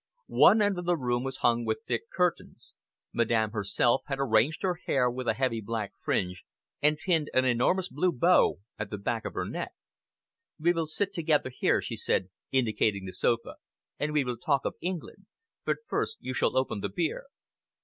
One end of the room was hung with thick curtains. Madame herself had arranged her hair with a heavy black fringe, and pinned an enormous blue bow at the back of her neck. "We will sit together here," she said, indicating the sofa, "and we will talk of England. But first you shall open the beer."